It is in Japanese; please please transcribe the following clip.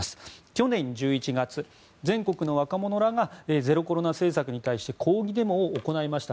去年１１月、全国の若者らがゼロコロナ政策に対して抗議デモを行いました。